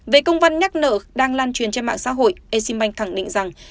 về công văn nhắc nợ đang lan truyền trên mạng xã hội eximbank thẳng định rằng